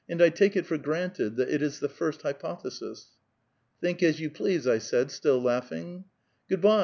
I take it for granted that it is the first hypothesis." ^^ Think as you please," I said, still laughing. " Good by.